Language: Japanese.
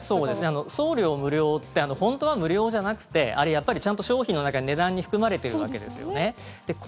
送料無料って本当は無料じゃなくてあれは商品の中に値段に含まれているんですよね。